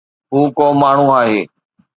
هو ڪو ماڻهو آهي.